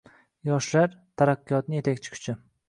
Yoshlar – taraqqiyotning yetakchi kuchi